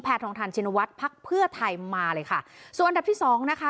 ทองทันชินวัฒน์พักเพื่อไทยมาเลยค่ะส่วนอันดับที่สองนะคะ